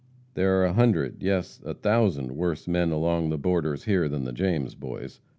There are a hundred, yes, a thousand, worse men along the borders here than the James Boys.